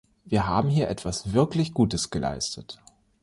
Wir haben hier etwas wirklich Gutes geleistet!